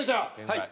はい。